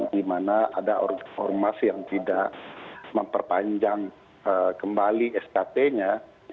di mana ada ormas yang tidak memperpanjang kembali skt nya